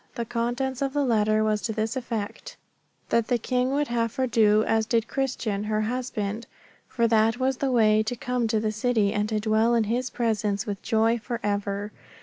The contents of the letter was to this effect, that the King would have her do as did Christian her husband, for that was the way to come to the city and to dwell in His presence with joy for ever.